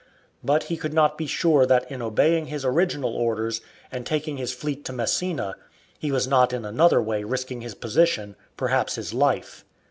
But he could not be sure that in obeying his original orders, and taking his fleet to Messina, he was not in another way risking his position, perhaps his life.